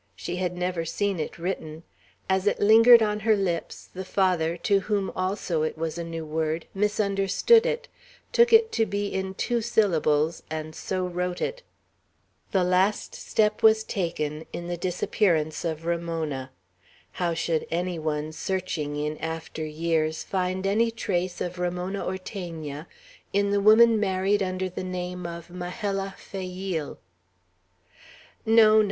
She had never seen it written; as it lingered on her lips, the Father, to whom also it was a new word, misunderstood it, took it to be in two syllables, and so wrote it. The last step was taken in the disappearance of Ramona. How should any one, searching in after years, find any trace of Ramona Ortegna, in the woman married under the name of "Majella Fayeel"? "No, no!